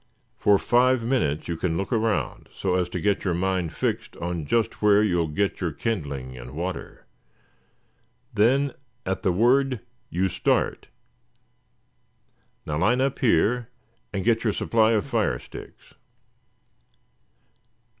For five minutes you can look around, so as to get your mind fixed on just where you will get your kindling, and water. Then at the word you start. Now, line up here, and get your supply of fire sticks."